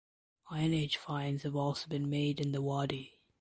Iron Age finds have also been made in the wadi.